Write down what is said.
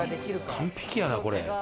完璧やな、これ。